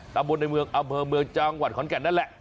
ตามบนในเมืองอำเภอเมืองกรณ์ประจันทร์ขนแก่นนั่นแหละ